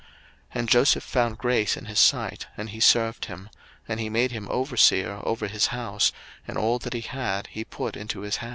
01:039:004 And Joseph found grace in his sight, and he served him: and he made him overseer over his house, and all that he had he put into his hand.